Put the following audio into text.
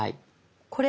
これ？